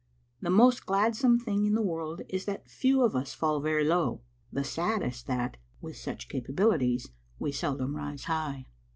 The most gladsome thing in the world is that few of us fall very low ; the saddest that, with such capabilities, we seldom rise high.